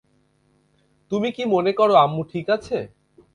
তুমি কী মনে করো আম্মু ঠিক আছে?